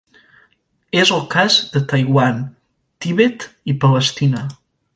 És el cas de Taiwan, Tibet i Palestina.